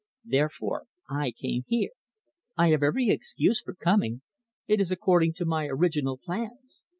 Therefore, I came here. I have every excuse for coming. It is according to my original plans.